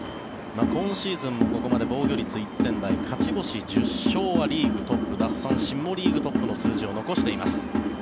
今シーズンもここまで防御率１点台勝ち星１０勝はリーグトップ奪三振もリーグトップの数字を残しています。